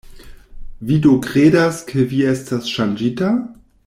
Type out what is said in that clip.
"Vi do kredas ke vi estas ŝanĝita?"